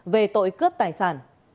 về tội cướp tài sản